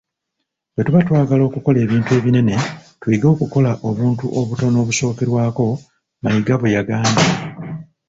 "Bwetuba twagala okukola ebintu ebinene tuyige okukola obuntu obutono obusookerwako,” Mayiga bw'agambye.